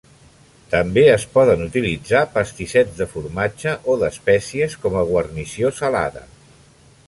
També es poden utilitzar pastissets de formatge o d'espècies com a guarnició salada.